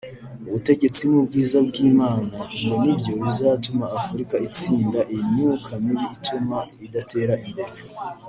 ubutegetsi n’ubwiza by’Imana ngo ni byo bizatuma Afurika itsinda iyi myuka mibi ituma idatera imbere